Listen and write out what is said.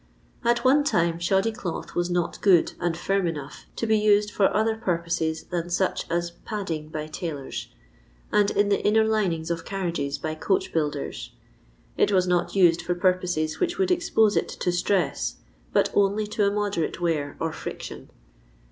At one time shoddy cloth was not good and firm enough to be used for other purposes than such as padding by tailors, and in the inner linings of carriages, by coach builders. It was not used for purposes which would expose it to stress, but only to a moderate wear or friction.